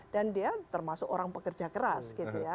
dan dia termasuk orang pekerja keras